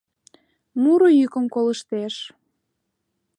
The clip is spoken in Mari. Муро йӱкым колыштеш.